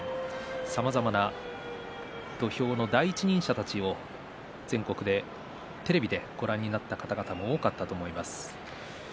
さまざまな土俵の第一人者たちを全国でテレビでご覧になった方々も多かったと思います。